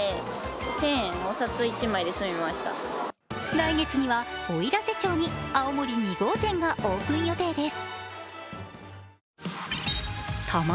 来月には、おいらせ町に青森２号店がオープン予定です。